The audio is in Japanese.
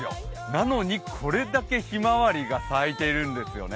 なのに、これだけひまわりが咲いているんですよね。